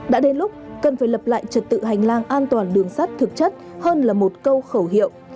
đã đến lúc cần phải lập lại trật tự hành lang an toàn đường sắt thực chất hơn là một câu khẩu hiệu